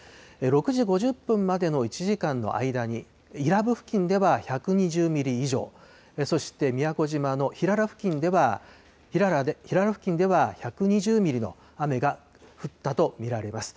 ６時５０分までの１時間の間に、伊良部付近では１２０ミリ以上、そして、宮古島の平良付近では１２０ミリの雨が降ったと見られます。